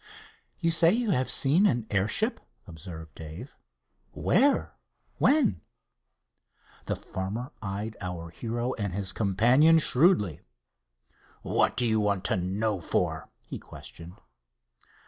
"You say you have seen an airship," observed Dave. "Where? when?" The farmer eyed our hero and his companion shrewdly. "What do you want to know for?" he questioned.